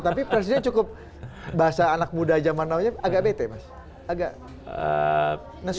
tapi presiden cukup bahasa anak muda zaman awalnya agak bete mas agak